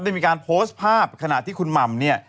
มีการโพสต์ภาพขณะที่คุณหม่ำเนี่ย